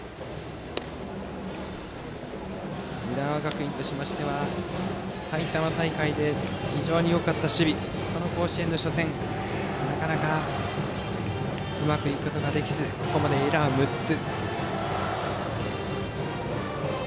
浦和学院としては、埼玉大会で非常によかった守備ですがこの甲子園の初戦はなかなかうまくいかずここまでエラー６つ。